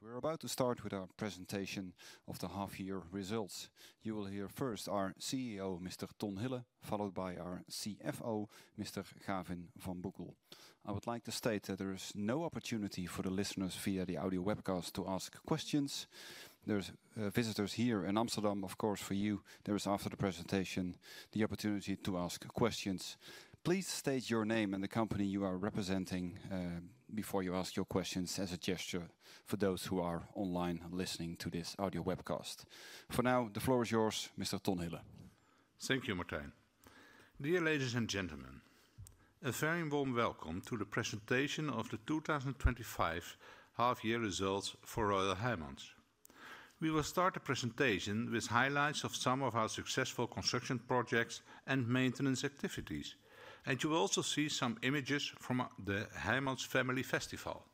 We're about to start with our presentation of the half year results. You will hear first our CEO, Mr. Ton Hill followed by our CFO, Mr. Carvin van Bukkel. I would like to state that there is no opportunity for the listeners via the audio webcast to ask questions. There's visitors here in Amsterdam, of course, for you. There is, after the presentation, the opportunity to ask questions. Please state your name and the company you are representing before you ask your questions as a gesture for those who are online listening to this audio webcast. For now, the floor is yours, Mr. Tonnieler. Thank you, Martijn. Dear ladies and gentlemen, a very warm welcome to the presentation of the twenty twenty five Half Year Results for Royal Highlands. We will start the presentation with highlights of some of our successful construction projects and maintenance activities. And you will also see some images from the Hermann's Family Festival.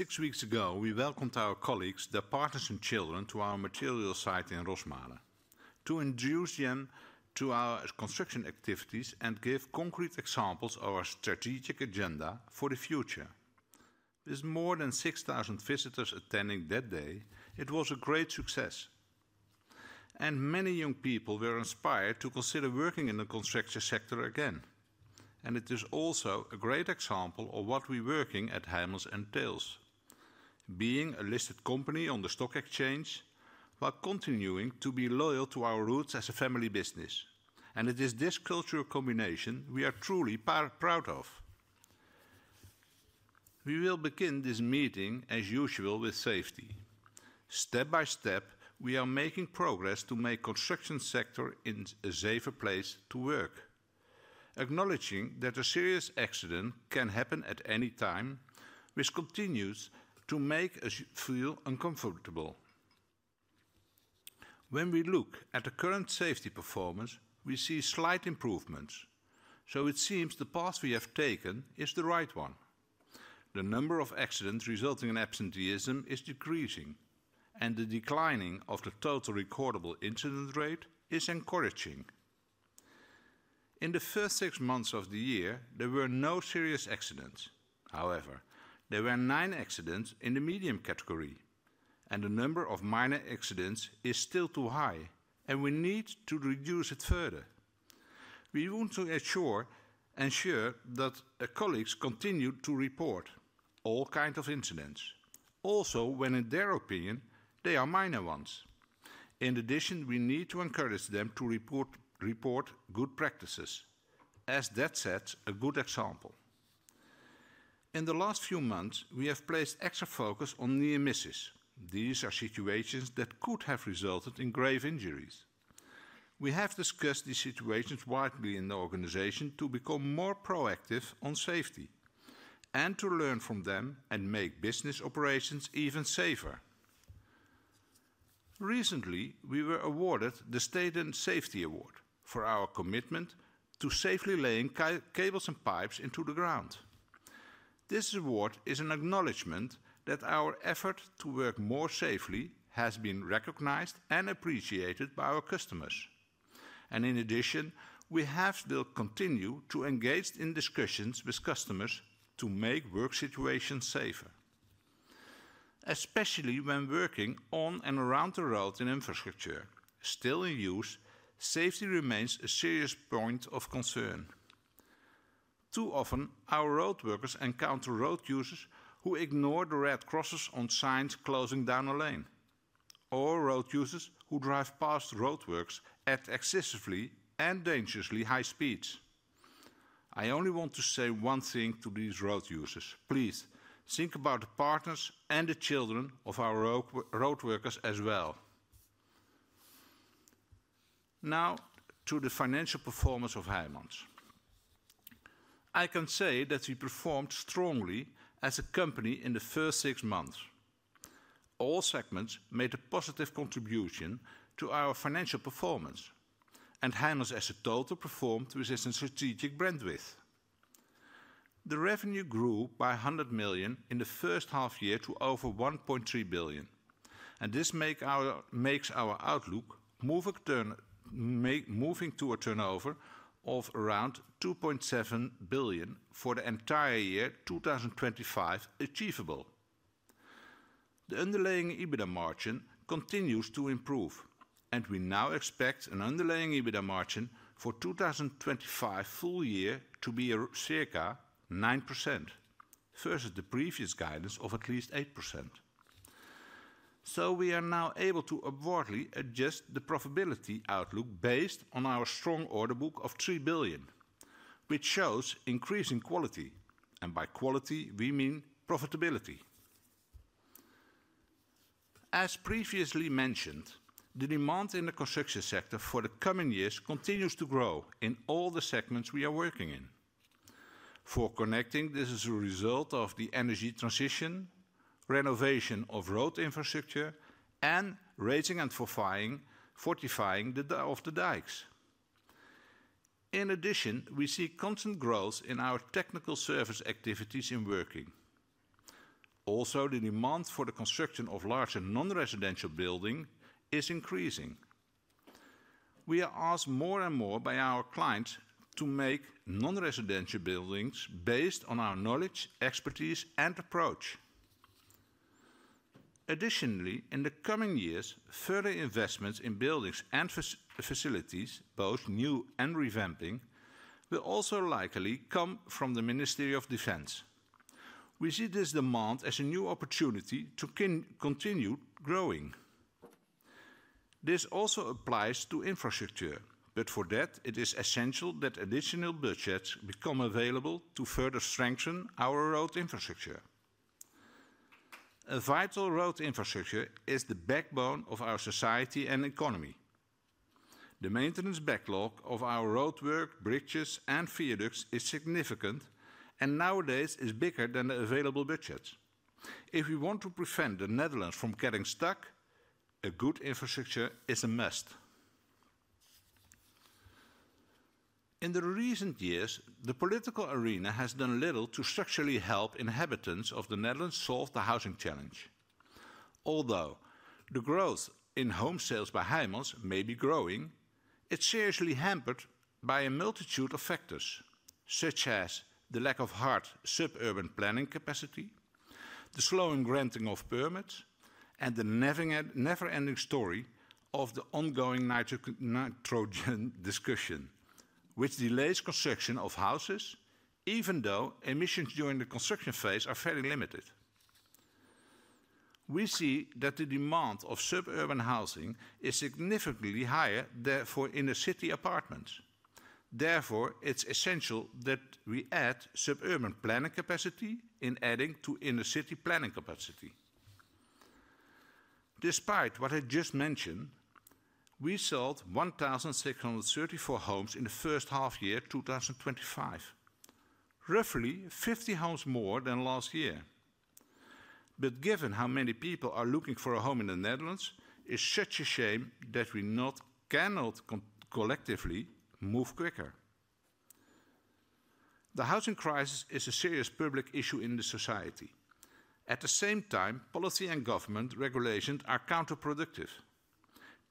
Six weeks ago, we welcomed our colleagues, the partners in children, to our material site in Rosmarle to introduce Jens to our construction activities and give concrete examples of our strategic agenda for the future. With more than 6,000 visitors attending that day, it was a great success. And many young people were inspired to consider working in the construction sector again. And it is also a great example of what we're working at Hammels and Thales, being a listed company on the stock exchange while continuing to be loyal to our roots as a family business. And it is this cultural combination we are truly proud of. We will begin this meeting as usual with safety. Step by step, we are making progress to make construction sector a safer place to work, acknowledging that a serious accident can happen at any time, which continues to make us feel uncomfortable. When we look at the current safety performance, we see slight improvements. So it seems the path we have taken is the right one. The number of accidents resulting in absenteeism is decreasing, and the declining of the total recordable incident rate is encouraging. In the first six months of the year, there were no serious accidents. However, there were nine accidents in the medium category. And the number of minor accidents is still too high, and we need to reduce it further. We want to ensure that our colleagues continue to report all kind of incidents. Also, when in their opinion, they are minor ones. In addition, we need to encourage them to report practices. As that said, a good example. In the last few months, we have placed extra focus on near misses. These are situations that could have resulted in grave injuries. We have discussed these situations widely in the organization to become more proactive on safety and to learn from them and make business operations even safer. Recently, we were awarded the State and Safety Award for our commitment to safely laying cables and pipes into the ground. This award is an acknowledgment that our effort to work more safely has been recognized and appreciated by our customers. And in addition, we have still continued to engage in discussions with customers to make work situations safer, Especially when working on and around the road in infrastructure, still in use, safety remains a serious point of concern. Too often, our road workers encounter road users who ignore the red crosses on signs closing down a lane or road users who drive past road works at excessively and dangerously high speeds. I only want to say one thing to these road users. Please think about the partners and the children of our road workers as well. Now to the financial performance of Highmans. I can say that we performed strongly as a company in the first six months. All segments made a positive contribution to our financial performance, and Heinlein as a total performed with a strategic brand width. The revenue grew by €100,000,000 in the first half year to over €1,300,000,000 and this makes our outlook moving to a turnover of around €2,700,000,000 for the entire year 2025 achievable. The underlying EBITDA margin continues to improve, and we now expect an underlying EBITDA margin for 2025 full year to be circa 9% versus the previous guidance of at least 8%. So we are now able to upwardly adjust the profitability outlook based on our strong order book of €3,000,000,000 which shows increasing quality. And by quality, we mean profitability. As previously mentioned, the demand in the construction sector for the coming years continues to grow in all the segments we are working in. For connecting, this is a result of the energy transition, renovation of road infrastructure and raising and fortifying of the dikes. In addition, we see constant growth in our technical service activities in working. Also, the demand for the construction of larger nonresidential building is increasing. We are asked more and more by our clients to make nonresidential buildings based on our knowledge, expertise and approach. Additionally, in the coming years, further investments in buildings and facilities, both new and revamping, will also likely come from the Ministry of Defense. We see this demand as a new opportunity to continue growing. This also applies to infrastructure. But for that, it is essential that additional budgets become available to further strengthen our road infrastructure. A vital road infrastructure is the backbone of our society and economy. The maintenance backlog of our roadwork, bridges and fiatrics is significant and nowadays is bigger than the available budgets. If we want to prevent The Netherlands from getting stuck, a good infrastructure is a must. In the recent years, the political arena has done little to structurally help inhabitants of The Netherlands solve the housing challenge. Although the growth in home sales by hymens may be growing, it's seriously hampered by a multitude of factors such as the lack of hard suburban planning capacity, the slowing granting of permits and the never ending story of the ongoing nitrogen discussion, which delays construction of houses even though emissions during the construction phase are fairly limited. We see that the demand of suburban housing is significantly higher, therefore, in the city apartments. Therefore, it's essential that we add suburban planning capacity in adding to inner city planning capacity. Despite what I just mentioned, we sold sixteen thirty four homes in the first half year twenty twenty five, roughly 50 homes more than last year. But given how many people are looking for a home in The Netherlands, it's such a shame that we cannot collectively move quicker. The housing crisis is a serious public issue in the society. At the same time, policy and government regulations are counterproductive.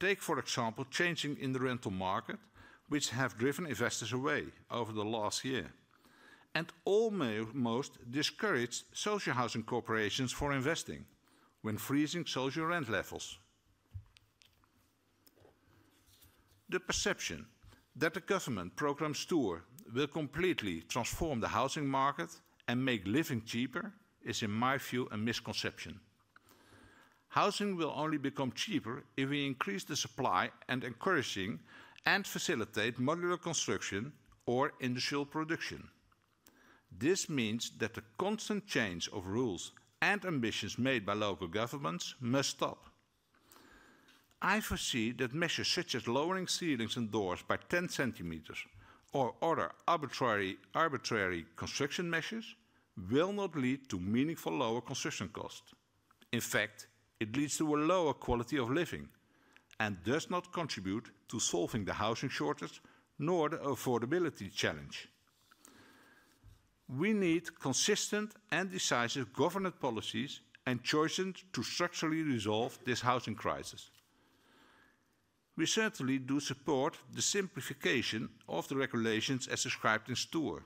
Take for example, changes in the rental market which have driven investors away over the last year. And almost discourage social housing corporations for investing when freezing social rent levels. The perception that the government programs TOR will completely transform the housing market and make living cheaper is, in my view, a misconception. Housing will only become cheaper if we increase the supply and facilitate modular construction or industrial production. This means that the constant change of rules and ambitions made by local governments must stop. I foresee that measures such as lowering ceilings and doors by 10 centimeters or other arbitrary construction measures will not lead to meaningful lower construction costs. In fact, it leads to a lower quality of living and does not contribute to solving the housing shortage nor the affordability challenge. We need consistent and decisive government policies and choices to structurally resolve this housing crisis. We certainly do support the simplification of the regulations as described in STORE.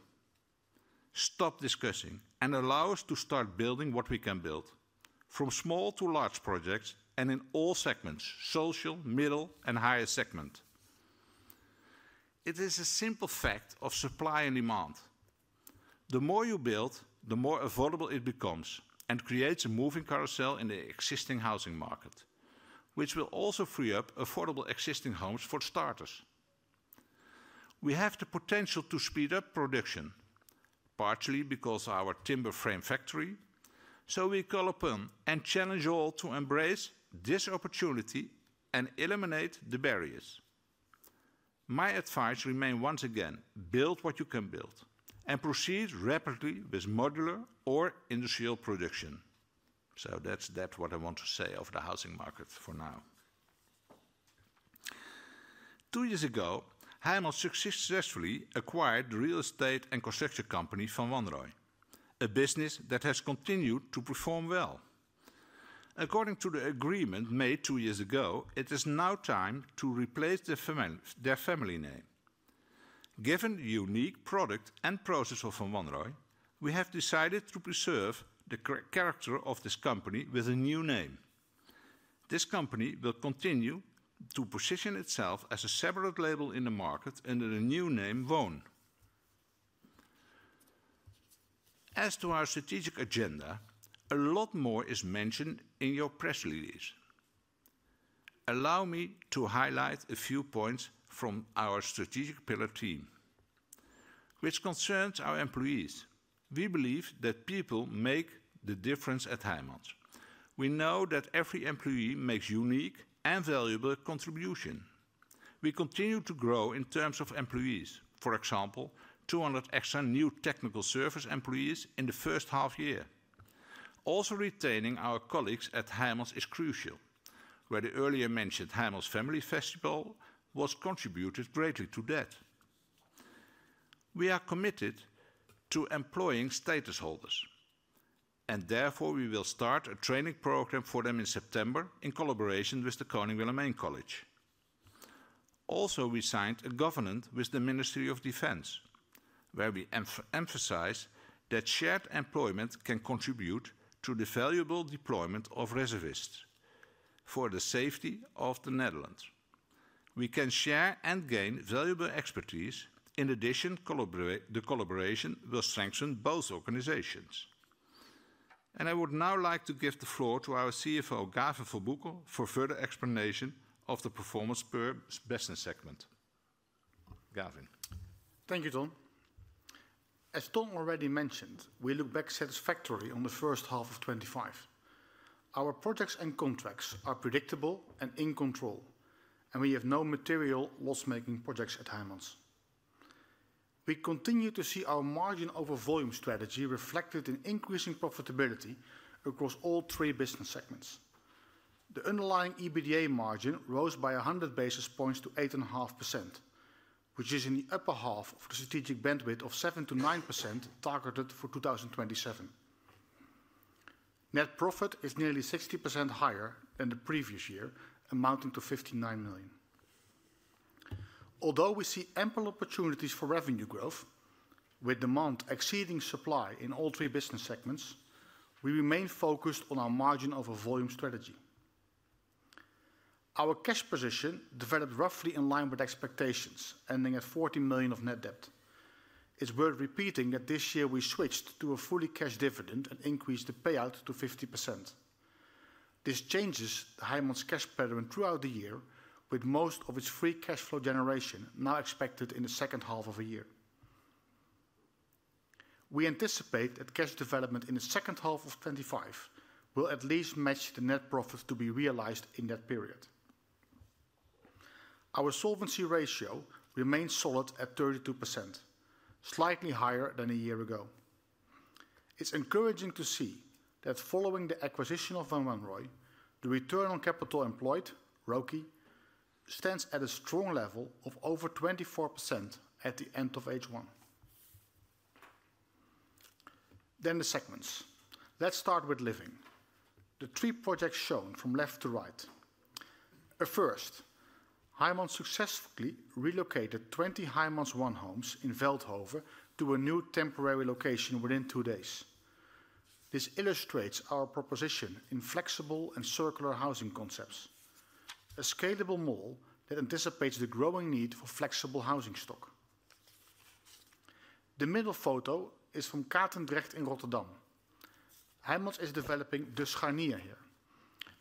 Stop discussing and allow us to start building what we can build, from small to large projects and in all segments, social, middle and higher segment. It is a simple fact of supply and demand. The more you build, the more affordable it becomes and creates a moving carousel in the existing housing market, which will also free up affordable existing homes for starters. We have the potential to speed up production, partly because of our timber frame factory. So we call upon and challenge all to embrace this opportunity and eliminate the barriers. My advice remains once again, build what you can build and proceed rapidly with modular or industrial production. So that's what I want to say of the housing market for now. Two years ago, Hainan successfully acquired the real estate and construction company Van Wanrej, a business that has continued to perform well. According to the agreement made two years ago, it is now time to replace their family name. Given the unique product and process of Von Braun Roy, we have decided to preserve the character of this company with a new name. This company will continue to position itself as a separate label in the market under the new name, WON. As to our strategic agenda, a lot more is mentioned in your press release. Allow me to highlight a few points from our strategic pillar team, which concerns our employees. We believe that people make the difference at Highmont. We know that every employee makes unique and valuable contribution. We continue to grow in terms of employees. For example, 200 extra new technical service employees in the first half year. Also retaining our colleagues at Hermos is crucial, where the earlier mentioned Hermos Family Festival was contributed greatly to that. We are committed to employing status holders. And therefore, we will start a training program for them in September in collaboration with the Carnegie Mellon Main College. Also, we signed a covenant with the Ministry of Defense, where we emphasized that shared employment can contribute to the valuable deployment of reservists for the safety of The Netherlands. We can share and gain valuable expertise. In addition, the collaboration will strengthen both organizations. And I would now like to give the floor to our CFO, Gavin Verbuchel, for further explanation of the performance per business segment. Garfin? Thank you, Tom. As Tom already mentioned, we look back satisfactory on the first half of twenty twenty five. Our projects and contracts are predictable and in control, and we have no material loss making projects at Highmans. We continue to see our margin over volume strategy reflected in increasing profitability across all three business segments. The underlying EBITDA margin rose by 100 basis points to 8.5%, which is in the upper half of the strategic bandwidth of 7% to 9% targeted for 2027. Net profit is nearly 60% higher than the previous year, amounting to €59,000,000 Although we see ample opportunities for revenue growth, with demand exceeding supply in all three business segments, we remain focused on our margin over volume strategy. Our cash position developed roughly in line with expectations, ending at €40,000,000 of net debt. It's worth repeating that this year we switched to a fully cash dividend and increased the payout to 50%. This changes the Highmont's cash pattern throughout the year with most of its free cash flow generation now expected in the second half of the We anticipate that cash development in the '5 will at least match the net profit to be realized in that period. Our solvency ratio remains solid at 32%, slightly higher than a year ago. It's encouraging to see that following the acquisition of Van Wenroy, the return on capital employed, ROCE, stands at a strong level of over 24% at the end of H1. Then the segments. Let's start with Living. The three projects shown from left to right. Successfully relocated 20 Heimanns I homes in Weldhoven to a new temporary location within two days. This illustrates our proposition in flexible and circular housing concepts, a scalable mall that anticipates the growing need for flexible housing stock. The middle photo is from Kathenbrecht in Rotterdam. Helmut is developing Duskheimia here,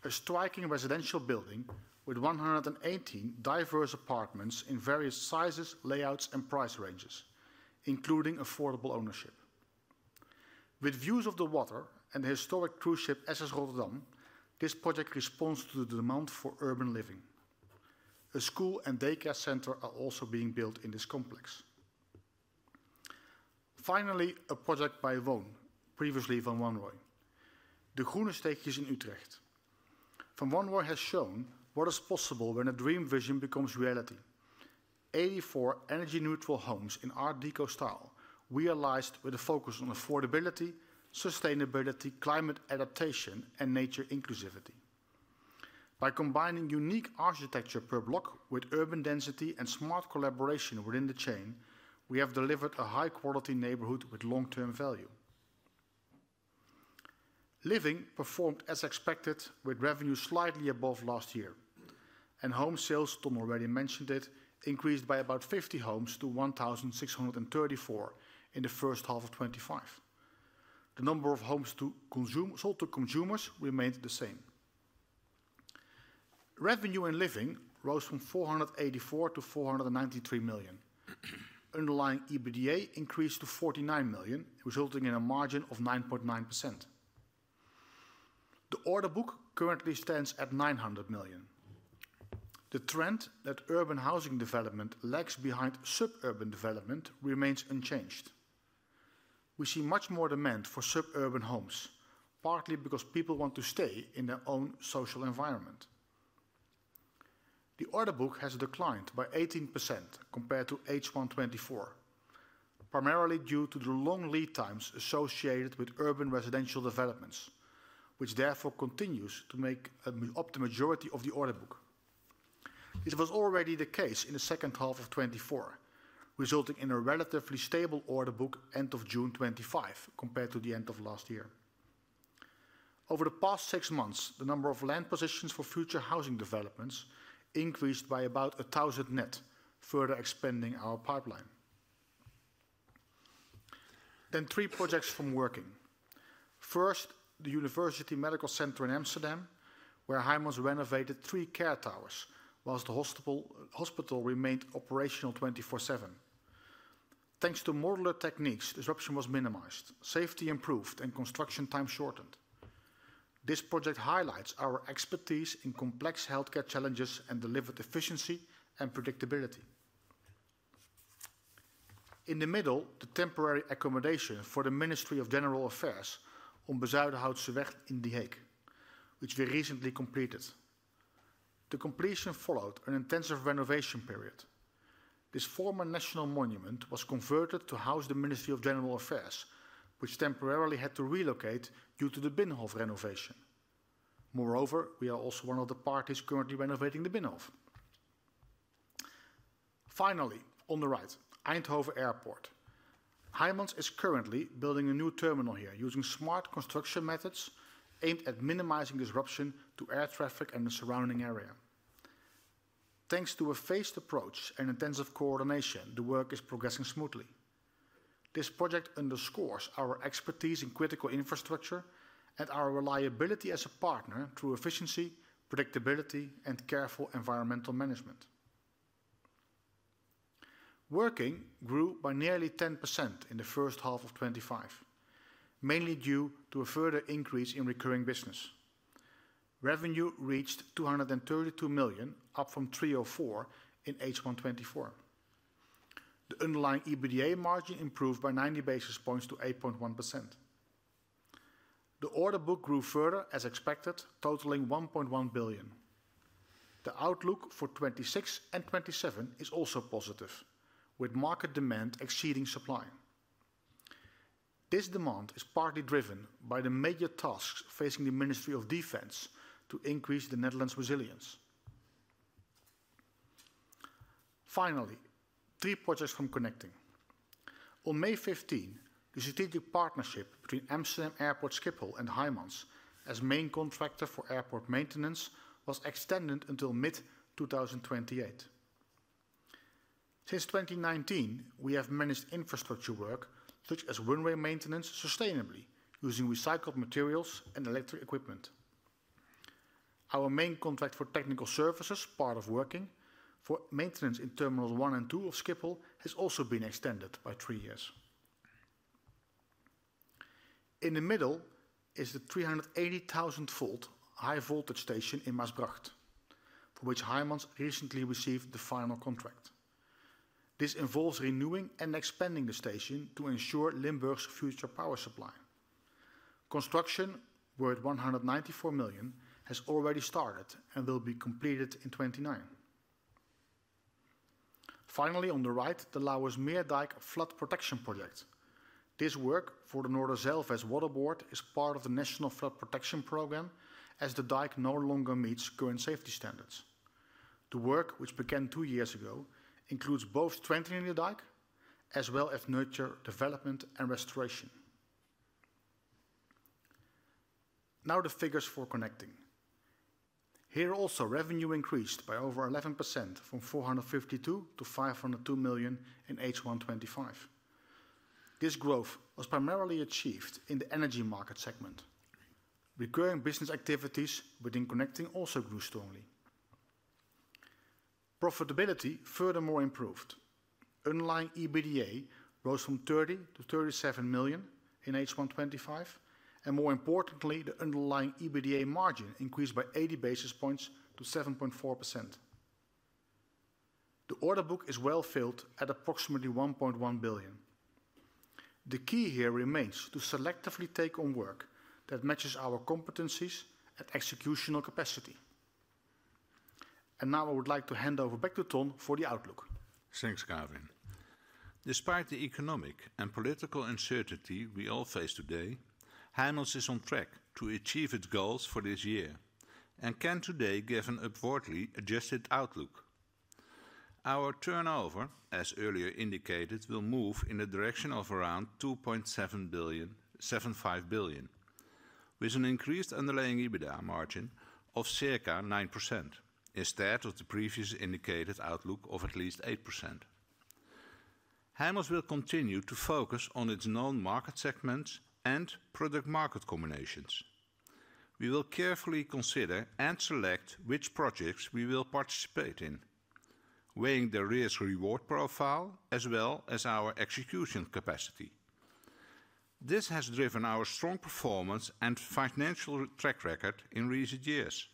a striking residential building with 118 diverse apartments in various sizes, layouts and price ranges, including affordable ownership. With views of the water and the historic cruise ship SSR, project responds to the demand for urban living. A school and daycare center are also being built in this complex. Finally, a project by Wohne, previously van Wan Roy. The Kuhnestekisen Utrecht. From One Roy has shown what is possible when a dream vision becomes reality. 84 energy neutral homes in art deco style, realized with a focus on affordability, sustainability, climate adaptation, and nature inclusivity. By combining unique architecture per block with urban density and smart collaboration within the chain, we have delivered a high quality neighborhood with long term value. Living performed as expected with revenues slightly above last year. And home sales, Tom already mentioned it, increased by about 50 homes to sixteen thirty four in the first half of twenty twenty five. The number of homes sold to consumers remained the same. Revenue in living rose from EUR $484,000,000 to $493,000,000. Underlying EBITDA increased to 49,000,000, resulting in a margin of 9.9%. The order book currently stands at 900,000,000. The trend that urban housing development lags behind suburban development remains unchanged. We see much more demand for suburban homes, partly because people want to stay in their own social environment. The order book has declined by 18% compared to H1 twenty twenty four, primarily due to the long lead times associated with urban residential developments, which therefore continues to make up the majority of the order book. This was already the case in the second half of 'twenty four, resulting in a relatively stable order book June compared to the end of last year. Over the past six months, the number of land positions for future housing developments increased by about 1,000 net, further expanding our pipeline. Then three projects from working. First, the University Medical Center in Amsterdam, where Heimas renovated three care towers, whilst the hospital remained operational 20 fourseven. Thanks to modular techniques, disruption was minimized, safety improved and construction time shortened. This project highlights our expertise in complex health care challenges and delivered efficiency and predictability. In the middle, the temporary accommodation for the Ministry of General Affairs on Bausauldhaute Zurich in The Hague, which we recently completed. The completion followed an intensive renovation period. This former national monument was converted to house the Ministry of General Affairs, which temporarily had to relocate due to the Binnhof renovation. Moreover, we are also one of the parties currently renovating the Binnhof. Finally, on the right, Eindhoven Airport. Highmans is currently building a new terminal here using smart construction methods aimed at minimizing disruption to air traffic and the surrounding area. Thanks to a phased approach and intensive coordination, the work is progressing smoothly. This project underscores our expertise in critical infrastructure and our reliability as a partner through efficiency, predictability and careful environmental management. Working grew by nearly 10% in the first half of twenty twenty five, mainly due to a further increase in recurring business. Revenue reached EUR $232,000,000, up from EUR $3.00 4 in H1 twenty twenty four. The underlying EBITDA margin improved by 90 basis points to 8.1%. The order book grew further as expected, totaling 1,100,000,000.0. The outlook for 'twenty six and 'twenty seven is also positive, with market demand exceeding supply. This demand is partly driven by the major tasks facing the Ministry of Defense to increase The Netherlands' resilience. Finally, three projects from connecting. On May 15, the strategic partnership between Amsterdam Airport Schiphol and Highmans as main contractor for airport maintenance was extended until mid-twenty twenty eight. Since 2019, we have managed infrastructure work such as runway maintenance sustainably using recycled materials and electric equipment. Our main contract for technical services, part of working, for maintenance in Terminals 1 And 2 of Schiphol has also been extended by three years. In the middle is the 380,000 volt high voltage station in Massbracht, for which Highmans recently received the final contract. This involves renewing and expanding the station to ensure Limburg's future power supply. Construction worth 194,000,000 has already started and will be completed in 'twenty nine. Finally, on the right, the Lauers Meerdijk flood protection project. This work for the Nordozelves Water Board is part of the National Flood Protection Programme as the dike no longer meets current safety standards. The work, which began two years ago, includes both strengthening the dike as well as nurture, development and restoration. Now the figures for connecting. Here also, revenue increased by over 11% from $452,000,000 to $5.00 €2,000,000 in H1 'twenty five. This growth was primarily achieved in the Energy Market segment. Recurring business activities within Connecting also grew strongly. Profitability furthermore improved. Underlying EBITDA rose from 30,000,000 to 37,000,000 in H1 twenty twenty five. And more importantly, the underlying EBITDA margin increased by 80 basis points to 7.4%. The order book is well filled at approximately 1,100,000,000.0. The key here remains to selectively take on work that matches our competencies and executional capacity. And now I would like to hand over back to Tom for the outlook. Thanks, Carwin. Despite the economic and political uncertainty we all face today, Heinz is on track to achieve its goals for this year and can today give an upwardly adjusted outlook. Our turnover, as earlier indicated, will move in the direction of around $2700000000.07500000000.0 with an increased underlying EBITDA margin of circa 9% instead of the previously indicated outlook of at least 8%. Handels will continue to focus on its known market segments and product market combinations. We will carefully consider and select which projects we will participate in, weighing the risk reward profile as well as our execution capacity. This has driven our strong performance and financial track record in recent years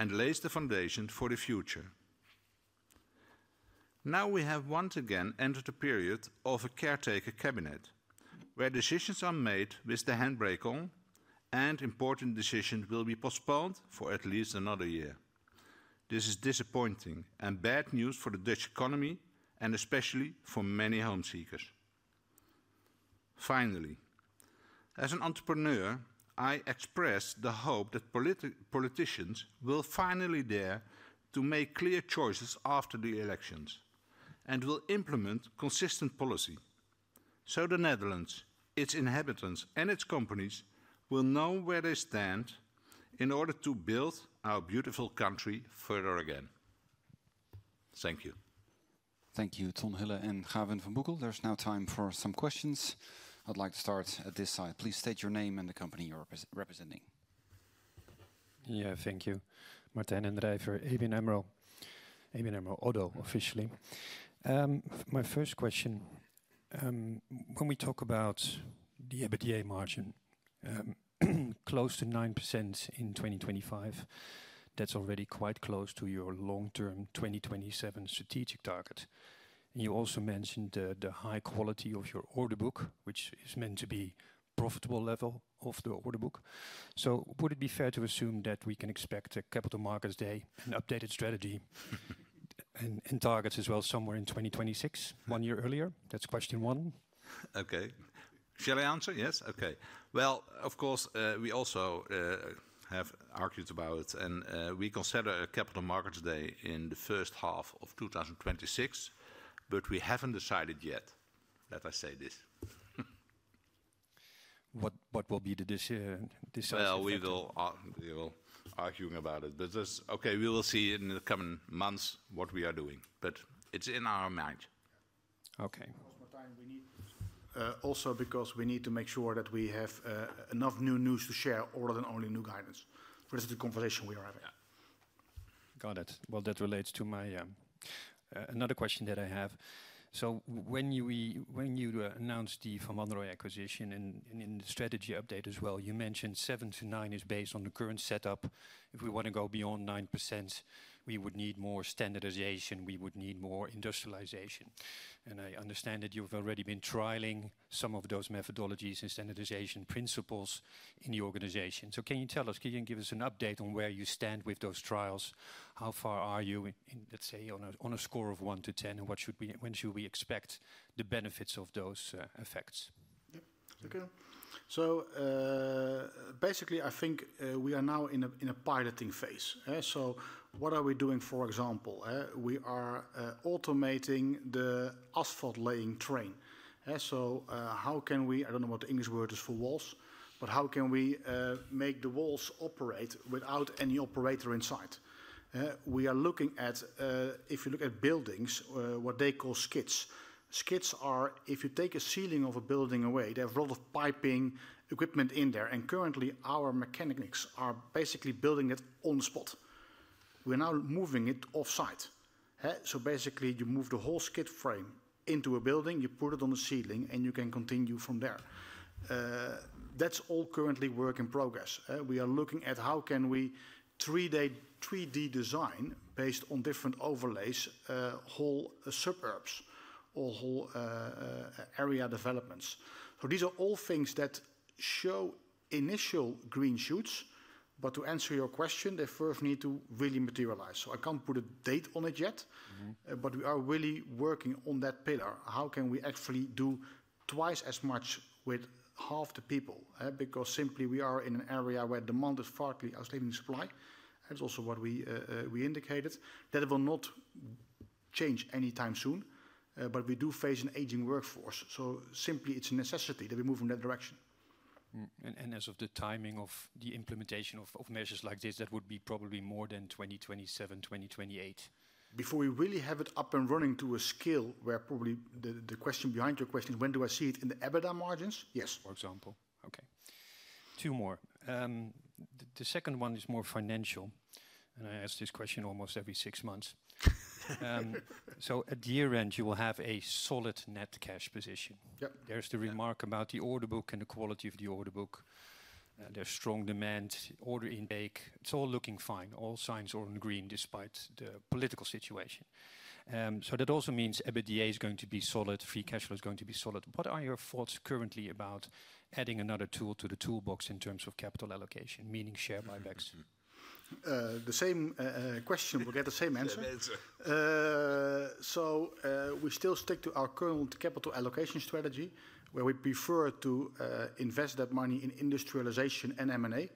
and lays the foundation for the future. Now we have once again entered a period of a caretaker cabinet where decisions are made with the handbrake on and important decisions will be postponed for at least another year. This is disappointing and bad news for the Dutch economy and especially for many home seekers. Finally, as an entrepreneur, I express the hope that politicians will finally dare to make clear choices after the elections and will implement consistent policy so The Netherlands, its inhabitants, and its companies will know where they stand in order to build our beautiful country further again. Thank you. You, Tom Hillen and Graven van Bukel. There's now time for some questions. I'd like to start at this side. Please state your name and the company you're representing. Thank you. Martin Hendrieffer, ABN AMRO. ABN AMRO Auto officially. My first question, when we talk about the EBITDA margin, close to 9% in 2025. That's already quite close to your long term 2027 strategic target. And you also mentioned the high quality of your order book, which is meant to be profitable level of the order book. So would it be fair to assume that we can expect a Capital Markets Day, an updated strategy and targets as well somewhere in 2026, one year earlier? That's question one. Shall I answer? Yes? Okay. Well, of course, we also have argued about it. And we consider a Capital Markets Day in the first half of twenty twenty six, but we haven't decided yet that I say this. What will be the decision? Well, we will argue about it. Okay. We will see in the coming months what we are doing, but it's in our mind. Also because we need to make sure that we have enough new news to share other than only new guidance versus the conversation we are having. Got it. Well, that relates to my another question that I have. So when you announced the Vamanderoi acquisition and in the strategy update as well, you mentioned 7% to 9% is based on the current setup. If we want to go beyond 9%, we would need more standardization, we would need more industrialization. And I understand that you've already been trialing some of those methodologies and standardization principles in the organization. So can you tell us, can you give us an update on where you stand with those trials? How far are you, let's say, on a score of one to 10? And what should we when should we expect the benefits of those effects? So basically, I think we are now in a piloting phase. So what are we doing, for example? We are automating the asphalt laying train. So how can we I don't know what the English word is for walls, but how can we make the walls operate without any operator inside? We are looking at if you look at buildings, what they call skits. Skits are if you take a ceiling of a building away, they have a lot of piping equipment in there. And currently, our mechanics are basically building it on the spot. We're now moving it off-site. So basically, you move the whole skid frame into a building, you put it on the ceiling, and you can continue from there. That's all currently work in progress. We are looking at how can we three d design based on different overlays whole suburbs or whole area developments. So these are all things that show initial green shoots. But to answer your question, they first need to really materialize. So I can't put a date on it yet. But we are really working on that pillar. How can we actually do twice as much with half the people? Because simply we are in an area where demand is far outweighed in supply. That's also what we indicated. That will not change anytime soon. But we do face an aging workforce. So simply, it's a necessity that we move in that direction. And as of the timing of the implementation of measures like this, that would be probably more than 2027, 2028? Before we really have it up and running to a scale where probably the question behind your question is when do I see it in the EBITDA margins? Yes. For example. Okay. Two more. The second one is more financial. And I ask this question almost every six months. So at year end, you will have a solid net cash position. There's the remark about the order book and the quality of the order book. There's strong demand, order intake. It's all looking fine. All signs are in green despite the political situation. So that also means EBITDA is going to be solid. Free cash flow is going to be solid. What are your thoughts currently about adding another tool to the toolbox in terms of capital allocation, meaning share buybacks? The same question. We'll get the same answer. Same answer. So we still stick to our current capital allocation strategy where we prefer to invest that money in industrialization and M and A.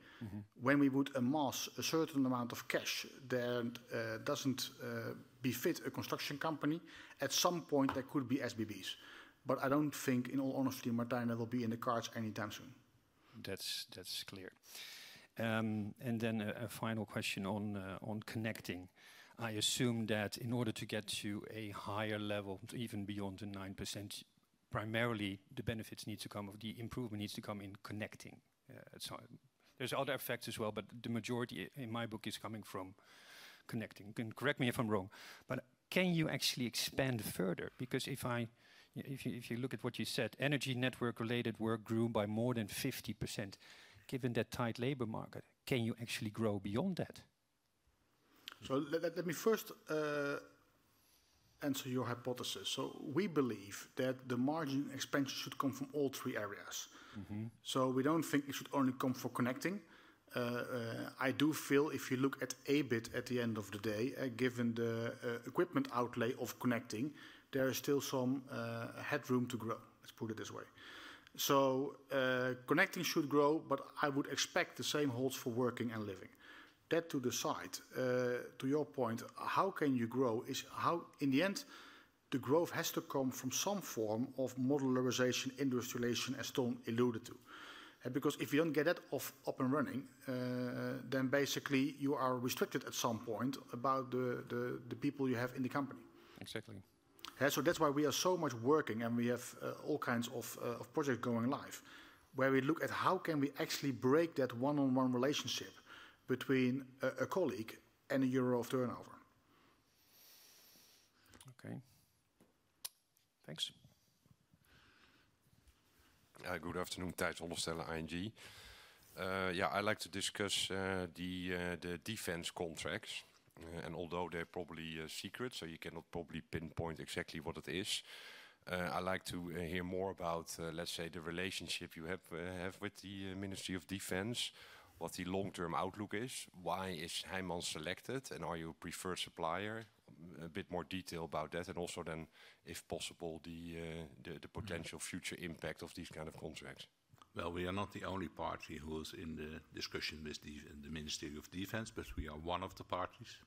When we would amass a certain amount of cash that doesn't befit a construction company, at some point, there could be SBBs. But I don't think, in all honesty, Martijn, will be in the cards anytime soon. That's clear. And then a final question on connecting. I assume that in order to get to a higher level, even beyond the 9%, primarily, the benefits need to come or the improvement needs to come in connecting. So there's other effects as well, but the majority in my book is coming from connecting. And correct me if I'm wrong, but can you actually expand further? Because if I if you look at what you said, energy network related work grew by more than 50%. Given that tight labor market, can you actually grow beyond that? So let me first answer your hypothesis. So we believe that the margin expansion should come from all three areas. So we don't think it should only come for connecting. I do feel if you look at a bit at the end of the day, given the equipment outlay of connecting, there is still some headroom to grow. Let's put it this way. So connecting should grow, but I would expect the same holds for working and living. That to decide. To your point, how can you grow is how, in the end, the growth has to come from some form of modularization, industrialization, as Tom alluded to. Because if you don't get it up and running, then basically you are restricted at some point about the people you have in the company. Exactly. So that's why we are so much working and we have all kinds of projects going live. Where we look at how can we actually break that one on one relationship between a colleague and a euro of turnover. Thanks. Afternoon. Teitur, Ostella ING. Yes, I'd like to discuss the defense contracts. And although they're probably secret, so you cannot probably pinpoint exactly what it is. I'd like to hear more about, let's say, the relationship you have with the Ministry of Defense. What the long term outlook is? Why is Heimann selected? And are you a preferred supplier? A bit more detail about that. And also then, if possible, the potential future impact of these kind of contracts. Well, we are not the only party who is in the discussion with the Ministry of Defense, but we are one of the parties.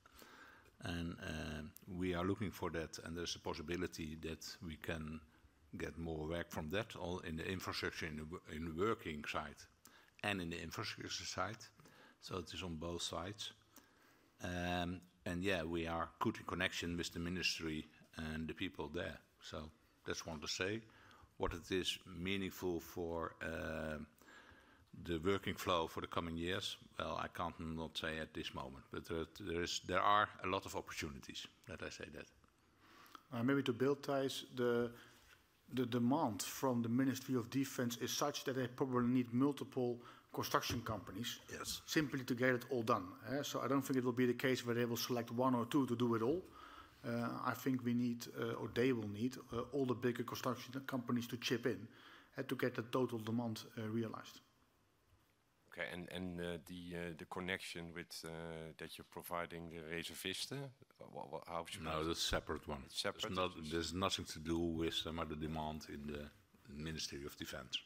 And we are looking for that, and there's a possibility that we can get more work from that all in the infrastructure and working side and in the infrastructure side. So it is on both sides. And yes, we are good in connection with the ministry and the people there. So that's one to say. What is meaningful for the working flow for the coming years? Well, I can't say at this moment. Opportunities that I say that. Maybe to Biltijs, the demand from the Ministry of Defense is such that they probably need multiple construction companies simply to get it all done. So I don't think it will be the case where they will select one or two to do it all. I think we need or they will need all the bigger construction companies to chip in to get the total demand realized. Okay. And the connection with that you're providing Reza Vista? Or how should No, it's a separate one. Separate? There's nothing to do with some other demand in the Ministry of Defense.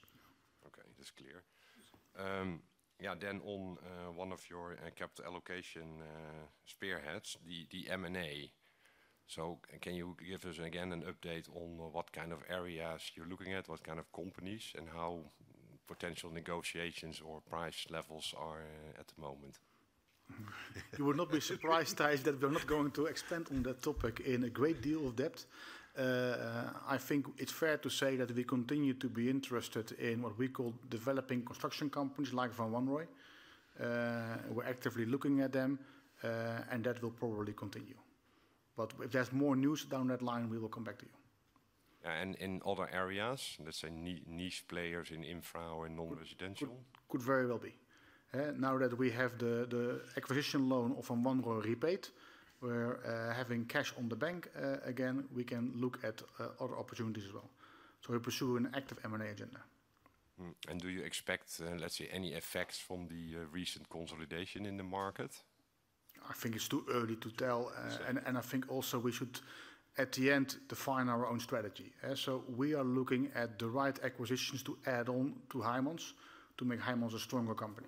Okay. That's clear. Yes. Then on one of your capital allocation spearheads, the M and A. So can you give us again an update on what kind of areas you're looking at, what kind of companies and how potential negotiations or price levels are at the moment? You would not be surprised, Taj, that we're not going to expand on that topic in a great deal of depth. I think it's fair to say that we continue to be interested in what we call developing construction companies like Van Wan Roy. We're actively looking at them, and that will probably continue. But if there's more news down that line, we will come back to you. And in other areas, let's say, niche players in infra or in nonresidential? Could very well be. Now that we have the acquisition loan of a one way rebate, we're having cash on the bank. Again, we can look at other opportunities as well. So we pursue an active M and A agenda. And do you expect, let's say, any effects from the recent consolidation in the market? I think it's too early to tell. And I think also we should, at the end, define our own strategy. So we are looking at the right acquisitions to add on to Himans to make Himans a stronger company.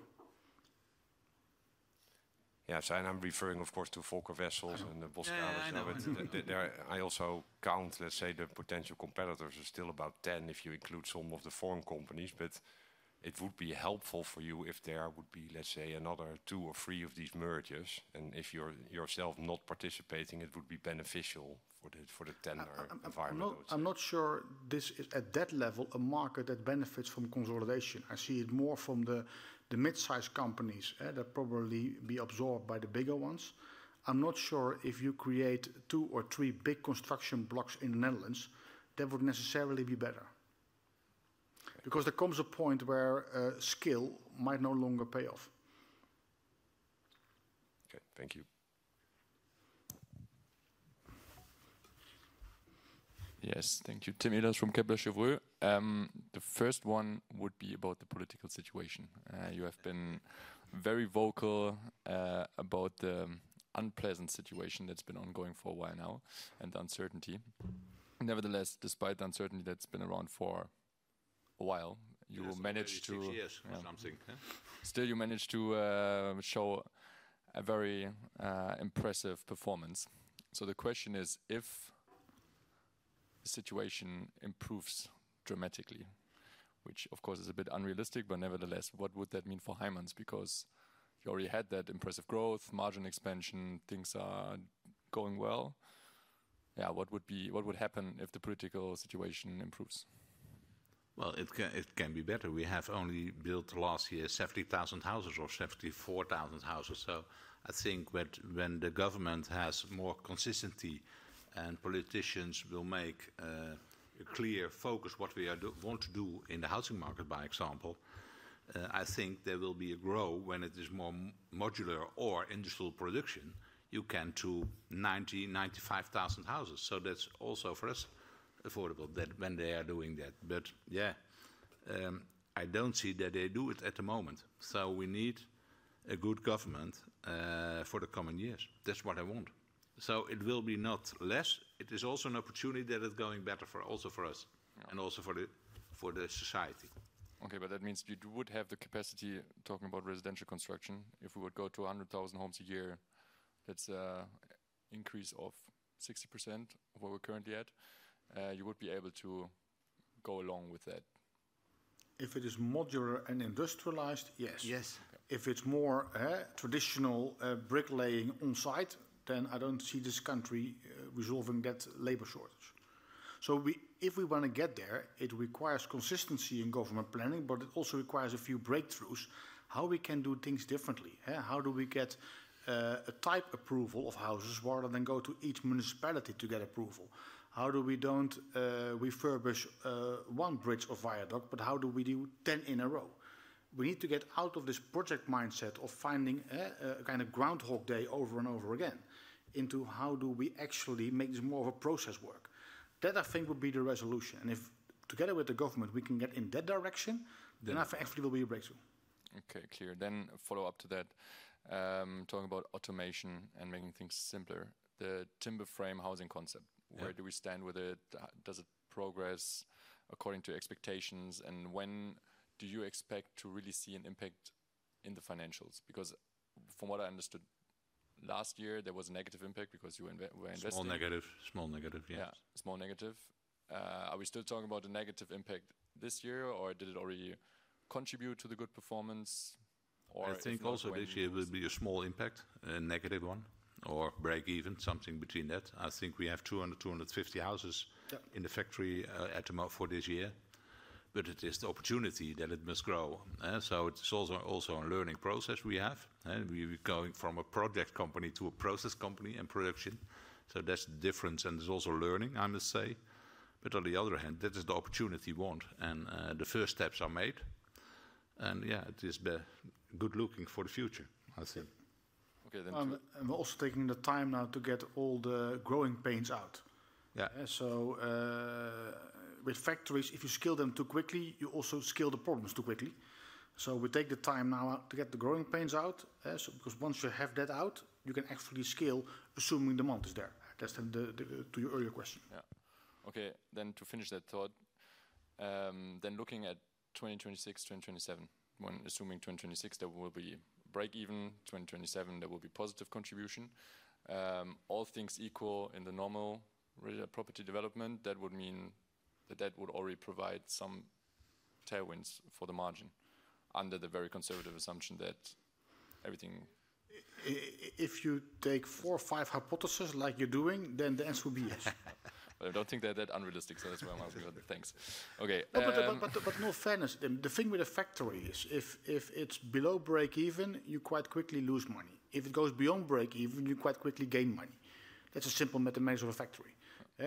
Yes. And I'm referring, of course, to Volker vessels and the Postgres. I also count, let's say, the potential competitors are still about 10 if you include some of the foreign companies. But it would be helpful for you if there would be, let's say, another two or three of these mergers. And if you're yourself not participating, it would be beneficial for the tender environment. Not sure this is, at that level, a market that benefits from consolidation. I see it more from the midsized companies that probably be absorbed by the bigger ones. I'm not sure if you create two or three big construction blocks in The Netherlands, that would necessarily be better. Because there comes a point where scale might no longer pay off. Okay. Thank you. Tim Hillers from Kepler Cheuvreux. First one would be about the political situation. You have been very vocal about the unpleasant situation that's been ongoing for a while now and uncertainty. Nevertheless, despite uncertainty that's been around for a while, you Yes, managed to three years or something. Still you managed to show a very impressive performance. So the question is, if the situation improves dramatically, which, of course, is a bit unrealistic, but nevertheless, what would that mean for Himans? Because you already had that impressive growth, margin expansion, things are going well. Yes, what would be what would happen if the political situation improves? Well, it can be better. We have only built last year 70,000 houses or 74,000 houses. So I think when the government has more consistency and politicians will make a clear focus what we want to do in the housing market, by example, I think there will be a grow when it is more modular or industrial production. You can do 90,000, 95,000 houses. So that's also for us affordable when they are doing that. But yes, I don't see that they do it at the moment. So we need a good government for the coming years. That's what I want. So it will be not less. It is also an opportunity that is going better for also for us and also for society. Okay. But that means you would have the capacity, talking about residential construction, if we would go to 100,000 homes a year, that's an increase of 60% of what we're currently at. You would be able to go along with that. If it is modular and industrialized, yes. If it's more traditional bricklaying on-site, then I don't see this country resolving that labor shortage. So we if we wanna get there, it requires consistency in government planning, but it also requires a few breakthroughs. How we can do things differently? How do we get type approval of houses rather than go to each municipality to get approval? How do we don't refurbish one bridge of viaduct, but how do we do 10 in a row? We need to get out of this project mindset of finding a kind of Groundhog Day over and over again into how do we actually make this more of a process work. That, I think, would be the resolution. And if together with the government, we can get in that direction, then after actually there will be a breakthrough. Okay. Clear. Then a follow-up to that. Talking about automation and making things simpler. The timber frame housing concept, where do we stand with it? Does it progress according to expectations? And when do you expect to really see an impact in the financials? Because from what I understood, last year, there was a negative impact because you were investing Small negative, small negative, yes. Small negative. Are we still talking about the negative impact this year? Or did it already contribute to the good performance? I think also this year, it will be a small impact, a negative one or breakeven, something between that. I think we have 200, two fifty houses in the factory at the moment for this year. But it is the opportunity that it must grow. So it's also a learning process we have. And we're going from a project company to a process company and production. So that's the difference, and there's also learning, I must say. But on the other hand, that is the opportunity we want. And the first steps are made. And yes, it is good looking for the future. I see. I'm also taking the time now to get all the growing pains out. So with factories, if you scale them too quickly, you also scale the problems too quickly. So we take the time now to get the growing pains out. Because once you have that out, you can actually scale assuming demand is there. That's to your earlier question. Okay. Then to finish that thought, then looking at 2026, 2027, assuming 2026, there will be breakeven 2027, there will be positive contribution. All things equal in the normal property development, that would mean that, that would already provide some tailwinds for the margin under the very conservative assumption that everything If you take four or five hypotheses like you're doing, then the answer would be yes. I don't think that that unrealistic, so that's why I'm asking other things. Okay. But in all fairness, the thing with a factory is if it's below breakeven, you quite quickly lose money. If it goes beyond breakeven, you quite quickly gain money. That's a simple mechanism of a factory.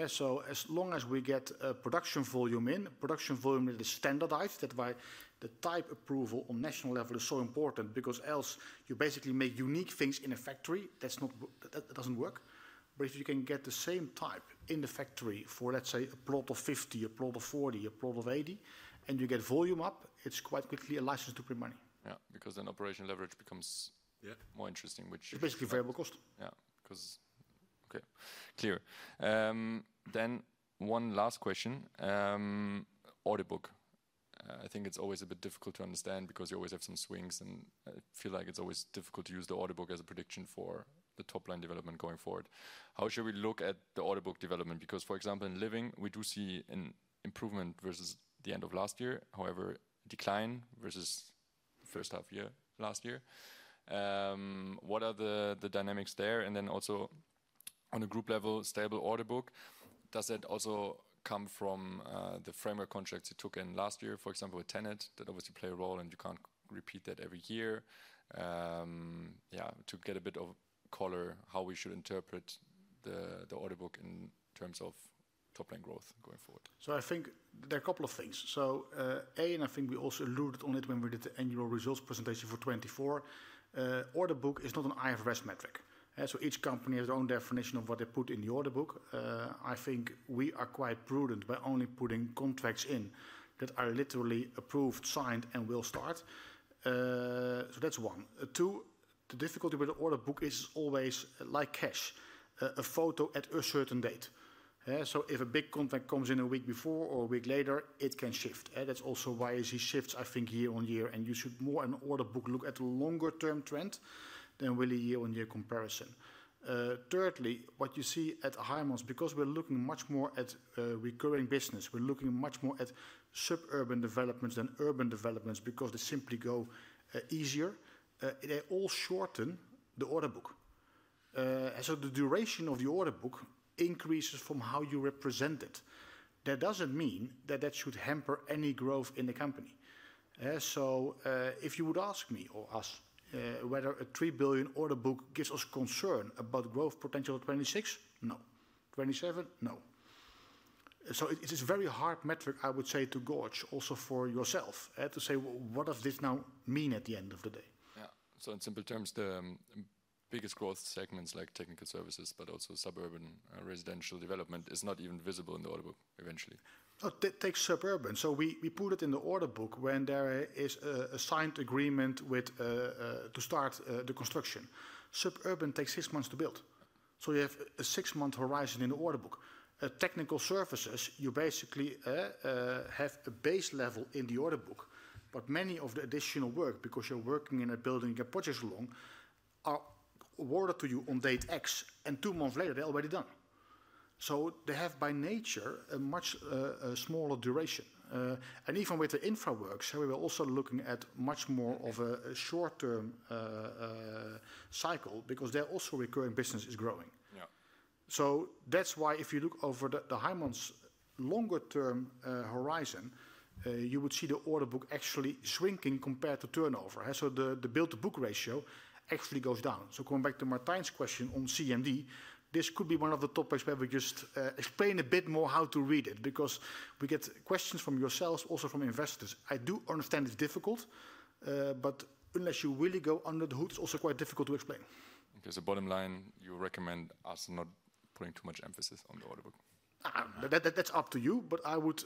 So as long as we get production volume in, production volume is standardized. That's why the type approval on national level is so important because else you basically make unique things in a factory. That doesn't work. But if you can get the same type in the factory for, let's say, a plot of 50, a plot of 40, a plot of 80, and you get volume up, it's quite quickly a license to print money. Yes. Because then operational leverage becomes more interesting, which Yes. Basically variable cost. Because okay, clear. Then one last question, order book. I think it's always a bit difficult to understand because you always have some swings and feel like it's always difficult to use the order book as a prediction for top line development going forward. How should we look at the order book development? Because, for example, in Living, we do see an improvement versus the end of last year, however, decline versus first half year last year. What are the dynamics there? And then also on a group level, stable order book, does that also come from the framework contracts you took in last year, for example, with Tenet that obviously play a role and you can't repeat that every year? Yes, to get a bit of color how we should interpret the order book in terms of top line growth going forward. So I think there are couple of things. So a, and I think we also alluded on it when we did the annual results presentation for 2024, order book is not an IFRS metric. So each company has its own definition of what they put in the order book. I think we are quite prudent by only putting contracts in that are literally approved, signed and will start. So that's one. Two, the difficulty with the order book is always like cash, a photo at a certain date. So if a big contract comes in a week before or a week later, it can shift. And that's also why it shifts, I think, year on year. And you should more an order book look at longer term trend than with a year on year comparison. Thirdly, what you see at Highmont, because we're looking much more at recurring business, we're looking much more at suburban developments than urban developments because they simply go easier, they all shorten the order book. And so the duration of the order book increases from how you represent it. That doesn't mean that that should hamper any growth in the company. So if you would ask me or us whether a €3,000,000,000 order book gives us concern about growth potential at 26,000,000,000 no. 27,000,000,000 no. So it is a very hard metric, I would say, to gauge also for yourself to say, what does this now mean at the end of the day? Yes. So in simple terms, the biggest growth segments like technical services but also suburban residential development is not even visible in the order book eventually. Take suburban. So we put it in the order book when there is a signed agreement with to start the construction. Suburban takes six months to build. So you have a six month horizon in the order book. At technical surfaces, you basically have a base level in the order book. But many of the additional work, because you're working in a building, get projects along, are awarded to you on date x. And two months later, they're already done. So they have, by nature, a much smaller duration. And even with the InfraWorks, we were also looking at much more of a short term cycle because their also recurring business is growing. So that's why if you look over the Highmont's longer term horizon, you would see the order book actually shrinking compared to turnover. So the build to book ratio actually goes down. So going back to Martijn's question on CMD, this could be one of the topics where we just explain a bit more how to read it because we get questions from yourselves, also from investors. I do understand it's difficult. But unless you really go under the hood, it's also quite difficult to explain. Because the bottom line, you recommend us not putting too much emphasis on the order book. That's up to you. But I would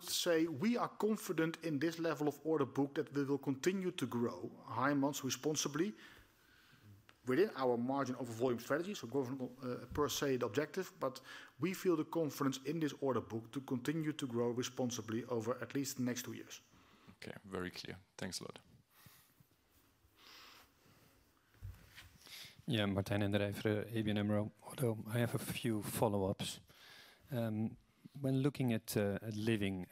say we are confident in this level of order book that we will continue to grow high amounts responsibly within our margin over volume strategy, so growth per se objective. But we feel the confidence in this order book to continue to grow responsibly over at least the next two years. Very clear. Thanks a lot. Yes. Martin Hendrejf, ABN AMRO. I have a few follow ups. When looking at Living,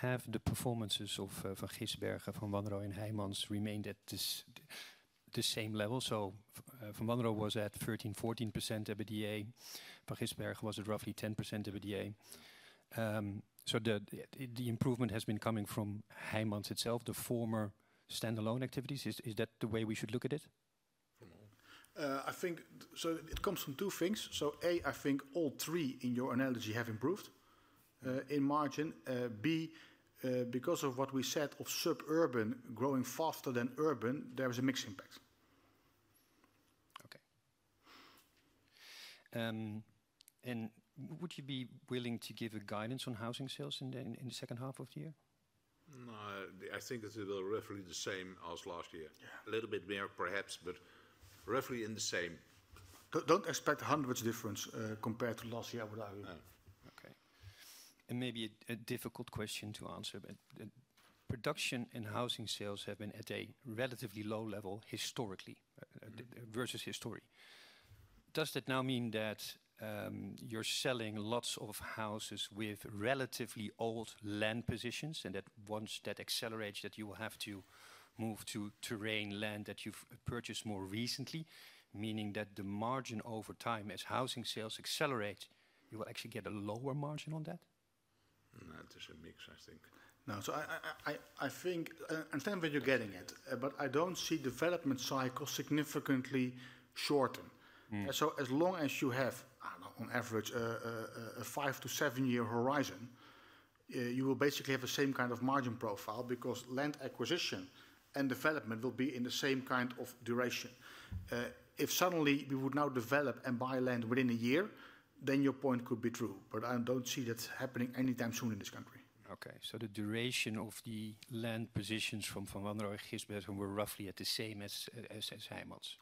have the performances of Vachisberg, Vachisberg Vachisberg Vachisberg Vachisberg at the same level? So Vachisberg was at 13%, 14% EBITDA. Vachisberg was at roughly 10% EBITDA. So the improvement has been coming from Highmont itself, the former stand alone activities. Is that the way we should look at it? I think so it comes from two things. So a, I think all three in your analogy have improved in margin b, because of what we said of suburban growing faster than urban, there was a mix impact. Okay. And would you be willing to give a guidance on housing sales in the second half of the year? No. I think it's roughly the same as last year. A little bit there perhaps, but roughly in the same. Don't expect hundreds difference compared to last year with our own. Okay. And maybe a difficult question to answer. In housing sales have been at a relatively low level historically versus history. Does that now mean that you're selling lots of houses with relatively old land positions and that once that accelerates that you will have to move to terrain land that you've purchased more recently, meaning that the margin over time, as housing sales accelerate, you will actually get a lower margin on that? No, it's a mix, I think. No. So I think understand what you're getting at, but I don't see development cycle significantly shorten. So as long as you have, on average, a five to seven year horizon, you will basically have the same kind of margin profile because land acquisition and development will be in the same kind of duration. If suddenly we would now develop and buy land within a year, then your point could be true. But I don't see that happening anytime soon in this country. Okay. So the duration of the land positions from Van Horn or Gisbethen were roughly at the same as as Heimerts?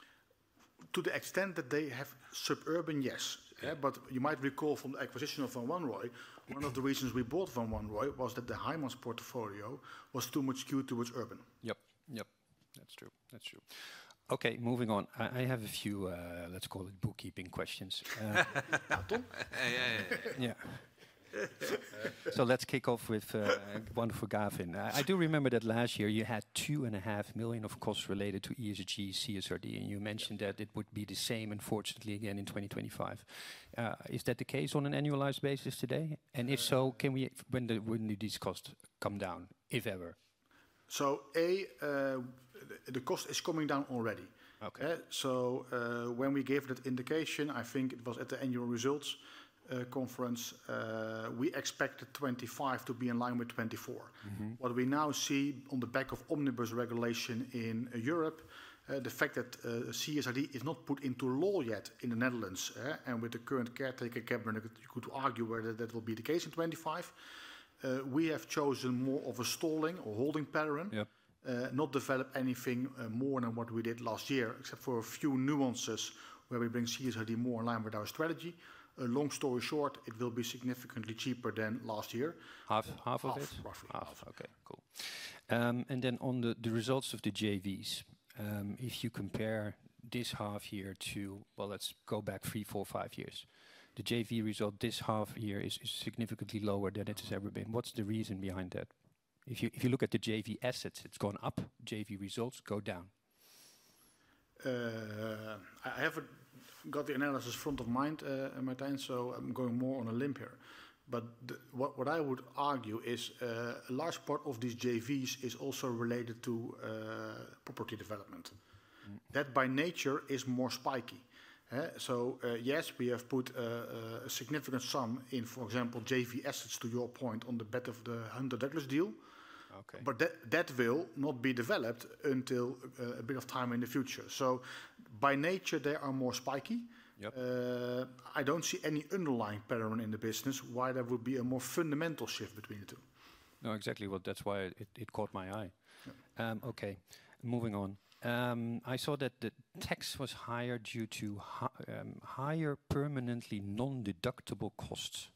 To the extent that they have suburban, yes. But you might recall from the acquisition of Van Wanreich, one of the reasons we bought Van Wanreich was that the Heimann's portfolio was too much skewed towards urban. That's true. Okay, moving on. I have a few, let's call it, bookkeeping questions. Yes, yes. So let's kick off with one for Gaffin. I do remember that last year, you 2,500,000.0 of costs related to ESG, CSRD, and you mentioned that it would be the same, unfortunately, again in 2025. Is that the case on an annualized basis today? And if so, can we when do these costs come down, if ever? So a, the cost is coming down already. So when we gave that indication, I think it was at the annual results conference, we expected '25 to be in line with '24. What we now see on the back of omnibus regulation in Europe, the fact that CSRD is not put into law yet in The Netherlands. And with the current caretaker, Cabernet, you could argue whether that will be the case in '25. We have chosen more of a stalling or holding pattern, not develop anything more than what we did last year except for a few nuances where we bring CSRD more in line with our strategy. Long story short, it will be significantly cheaper than last year. Half of Half, roughly. Half, okay. Cool. And then on the results of the JVs, if you compare this half year to well, let's go back three, four, five years. The JV result this half year is significantly lower than it has ever been. What's the reason behind that? If you look at the JV assets, it's gone up. JV results go down. I haven't got the analysis front of mind in my time, so I'm going more on a limp here. But what I would argue is a large part of these JVs is also related to property development. That, by nature, is more spiky. So yes, we have put a significant sum in, for example, JV assets, to your point on the bet of the Hunter Douglas deal. But that will not be developed until a bit of time in the future. So by nature, they are more spiky. I don't see any underlying pattern in the business why there would be a more fundamental shift between the two. No, exactly. That's why it caught my eye. Okay. Moving on. I saw that the tax was higher due to higher permanently nondeductible costs.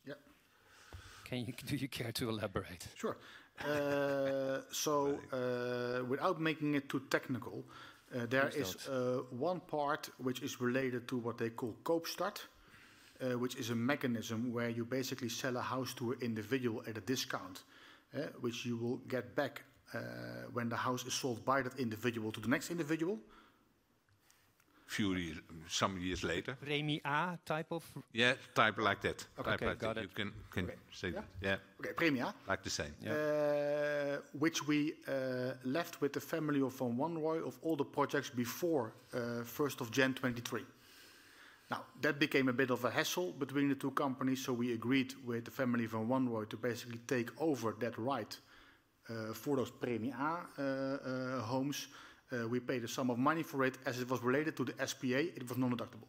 Can you do you care to elaborate? Sure. So without making it too technical, there is one part which is related to what they call Kopestadt, which is a mechanism where you basically sell a house to an individual at a discount, which you will get back when the house is sold by that individual to the next individual few years some years later. Remia type of Yeah. Type like that. Okay. Got it. You can can say that. Yeah. I like the same. Which we left with the family of Von Wanroi of all the projects before first of Jan twenty three. Now that became a bit of a hassle between the two companies, so we agreed with the family of Van Horn Roy to basically take over that right for those premium homes. We paid a sum of money for it. As it was related to the SPA, it was nondeductible.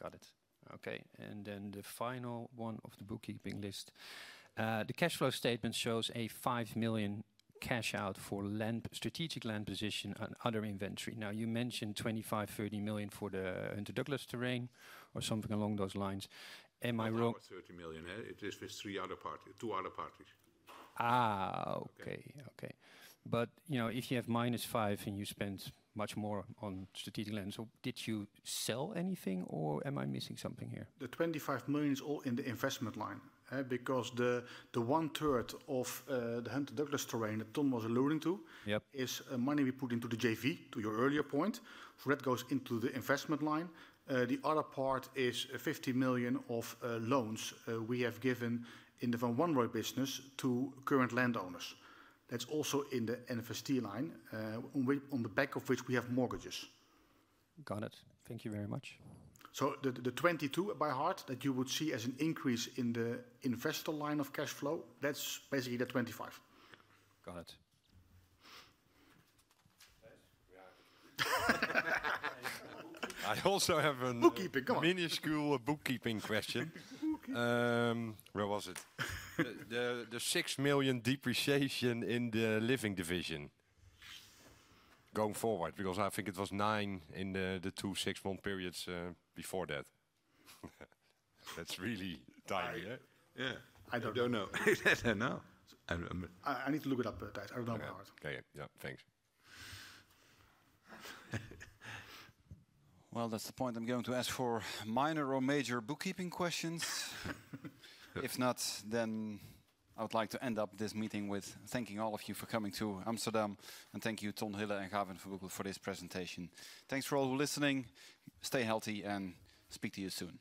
Got it. Okay. And then the final one of the bookkeeping list. The cash flow statement shows a 5,000,000 cash out for strategic land position and other inventory. Now you mentioned 25,000,000, 30,000,000 for the InterDouglas terrain or something along those lines. Am I wrong? 30,000,000. It is with three other parties two other parties. Okay. Okay. But if you have minus 5,000,000 and you spend much more on strategic land, so did you sell anything? Or am I missing something here? The €25,000,000 is all in the investment line because the onethree of the Hunter Douglas terrain that Tom was alluding to is money we put into the JV, to your earlier point. So that goes into the investment line. The other part is 50,000,000 of loans we have given in the Von Braunroy business to current landowners. That's also in the NFST line, on the back of which we have mortgages. Got it. Thank you very much. So the 22,000,000 by heart that you would see as an increase in the investor line of cash flow, that's basically the 25,000,000 it. I also have a mini school bookkeeping question. Where was it? The 6,000,000 depreciation in the Living division going forward? Because I think it was 9,000,000 in the two six month periods before that. That's really dire, I don't know. I need to look it up, Pat. I don't know. Okay. Yes. Thanks. Thanks for all listening. Stay healthy, and speak to you soon.